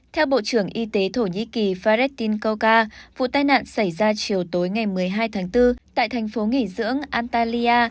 theo bộ trưởng y tế thổ nhĩ kỳ fedin koka vụ tai nạn xảy ra chiều tối ngày một mươi hai tháng bốn tại thành phố nghỉ dưỡng antalya